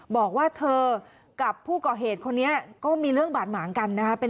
บอกว่าเธอกับผู้ก่อเหตุคนนี้ก็มีเรื่องบาดหมางกันนะคะ